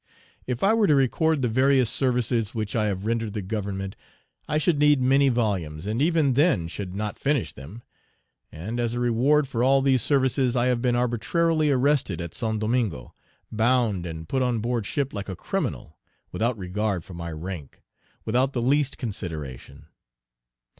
If I were to record the various services which I have rendered the Government, I should need many volumes, and even then should not finish them; and, as a reward for all these services, I have been arbitrarily arrested at St. Domingo, bound, and put on board ship like a criminal, without regard for my rank, without the least consideration.